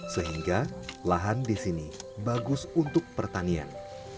sehingga lahan di sini bagus untuk pertanian